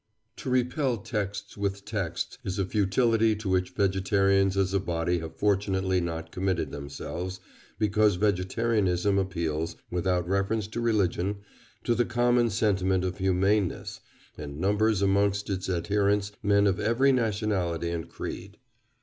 To repel texts with texts is a futility to which vegetarians as a body have fortunately not committed themselves, because vegetarianism appeals, without reference to religion, to the common sentiment of humaneness, and numbers amongst its adherents men of every nationality and creed.